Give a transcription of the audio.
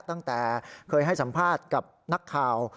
ตั้งแต่เคยให้สัมภาษณ์กับนักข่าว